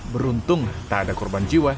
beruntung tak ada korban jiwa